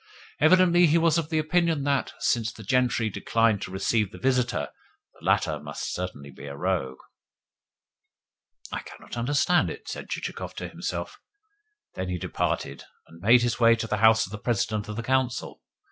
Evidently he was of opinion that, since the gentry declined to receive the visitor, the latter must certainly be a rogue. "I cannot understand it," said Chichikov to himself. Then he departed, and made his way to the house of the President of the Council.